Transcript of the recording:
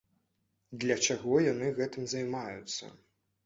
Для чаго яны гэтым займаюцца?